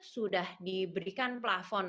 sudah diberikan pelafon